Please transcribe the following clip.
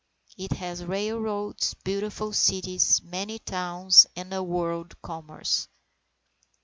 It has railroads, beautiful cities, many towns, and a world commerce.